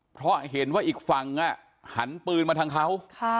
เพราะเห็นว่าอีกฝั่งหันปืนมาทางเขา